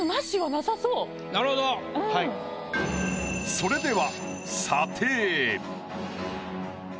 それでは。